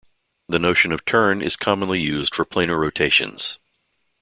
The notion of turn is commonly used for planar rotations.